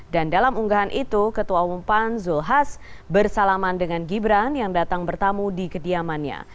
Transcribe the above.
dan dalam unggahan itu ketua umum pan zulkifli hasan bersalaman dengan gibran yang datang bertamu di kediamannya